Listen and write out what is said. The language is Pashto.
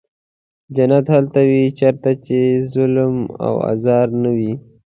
جنت هلته وي چېرته چې ظلم او آزار نه وي.